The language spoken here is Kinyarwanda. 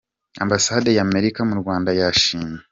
Ambasade ya Amerika mu Rwanda yashimiye